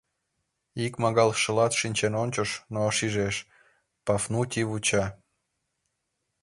Икмагал шылат шинчен ончыш, но шижеш: Пафнутий вуча.